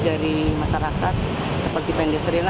dari masyarakat seperti pedestrian